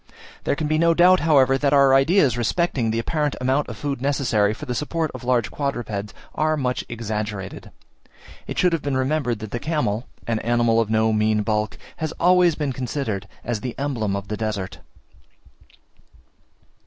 There can be no doubt, however, that our ideas respecting the apparent amount of food necessary for the support of large quadrupeds are much exaggerated: it should have been remembered that the camel, an animal of no mean bulk, has always been considered as the emblem of the desert.